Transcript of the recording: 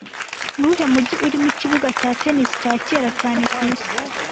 Nuwuhe mujyi urimo ikibuga cya tennis cya kera cyane ku isi